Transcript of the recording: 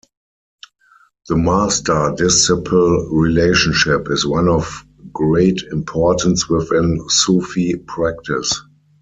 The master-disciple relationship is one of great importance within Sufi practice.